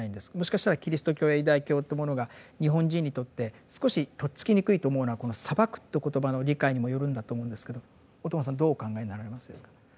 もしかしたらキリスト教やユダヤ教というものが日本人にとって少しとっつきにくいと思うのはこの「裁く」という言葉の理解にもよるんだと思うんですけど小友さんどうお考えになられますですか。